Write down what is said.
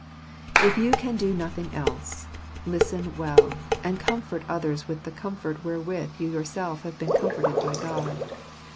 If you can do nothing else, listen well, and f ^comfort others with the comfort wherewith you yourself / have been comforted by God.